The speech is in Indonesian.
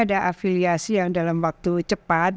ada afiliasi yang dalam waktu cepat